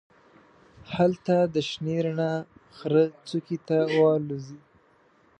هلته د شنې رڼا غره څوکې ته والوزي.